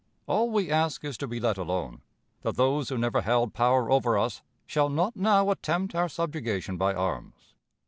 All we ask is to be let alone that those who never held power over us shall not now attempt our subjugation by arms.